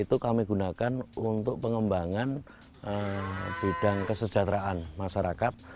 itu kami gunakan untuk pengembangan bidang kesejahteraan masyarakat